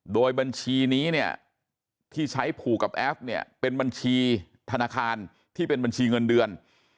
โดยบัญชีนี้เนี่ยที่ใช้ผูกกับแอฟเนี่ยเป็นบัญชีธนาคารที่เป็นบัญชีเงินเดือน